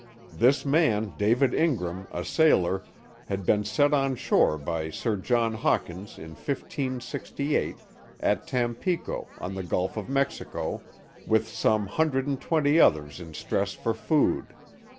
This man, David Ingram, a sailor, had been set on shore by Sir John Hawkins in 1568, at Tampico, on the Gulf of Mexico, with some hundred and twenty others in stress for food.